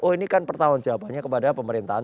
oh ini kan pertanggung jawabannya kepada pemerintahan